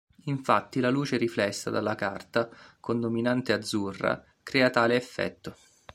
Infatti la luce riflessa dalla carta, con dominante azzurra, crea tale effetto.